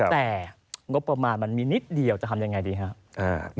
แต่งบประมาณมันมีนิดเดียวจะทำยังไงดีครับ